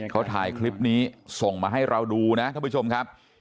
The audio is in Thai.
เขาถ่ายคลิปนี้ส่งมาให้เราดูนะท่านผู้ชมครับ